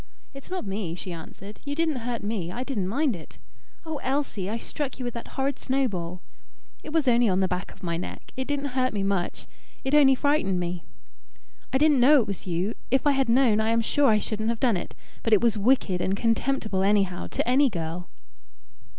"It's not me," she answered. "You didn't hurt me. I didn't mind it." "Oh, Elsie! I struck you with that horrid snowball." "It was only on the back of my neck. It didn't hurt me much. It only frightened me." "I didn't know it was you. If I had known, I am sure I shouldn't have done it. But it was wicked and contemptible anyhow, to any girl."